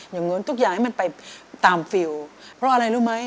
อย่างนั้นทุกอย่างให้มันไปตามฟิลเพราะอะไรรู้ไหม